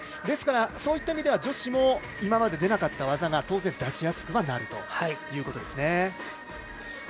ですから、そういった意味では女子も今まで出なかった技が当然出しやすくなるということですね。